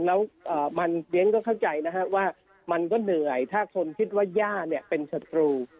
แล้วเรียนก็เข้าใจนะฮะว่ามันก็เหนื่อยถ้าคนคิดว่าย่าเนี่ยเป็นศัตรู